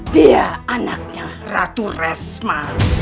dia anaknya ratu resma